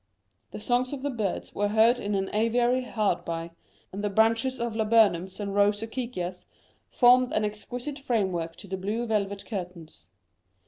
The songs of the birds were heard in an aviary hard by, and the branches of laburnums and rose acacias formed an exquisite framework to the blue velvet curtains.